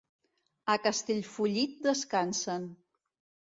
A Castellfollit descansen.